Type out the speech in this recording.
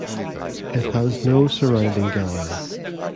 It has no surrounding gallery.